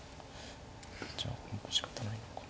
じゃあ本譜しかたないのか。